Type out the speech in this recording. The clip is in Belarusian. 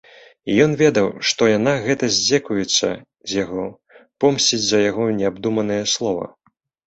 Ён ведаў, што яна гэта здзекуецца з яго, помсціць за яго неабдуманае слова.